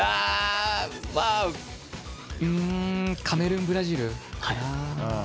カメルーン、ブラジルかな。